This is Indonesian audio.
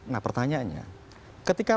nah pertanyaannya ketika